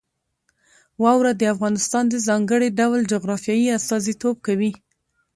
واوره د افغانستان د ځانګړي ډول جغرافیې استازیتوب کوي.